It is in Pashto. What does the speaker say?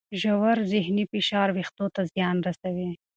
ژور ذهني فشار وېښتو ته زیان رسوي.